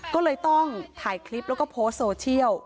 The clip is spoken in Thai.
ก็เลยต้องถ่ายคลิปแล้วก็โพสต์โซเชียล